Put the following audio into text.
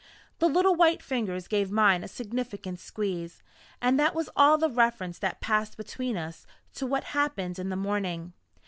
The little white fingers gave mine a significant squeeze and that was all the reference that passed between us to what happened in the morning.